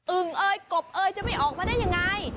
อึงเกบจะไม่ออกมาได้ยังไง